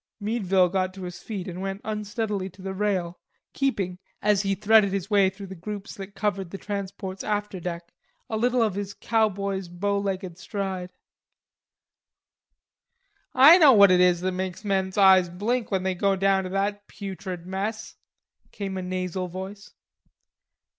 Meadville got to his feet and went unsteadily to the rail, keeping, as he threaded his way through the groups that covered the transport's after deck, a little of his cowboy's bow legged stride. "I know what it is that makes men's eyes blink when they go down to that putrid mess," came a nasal voice.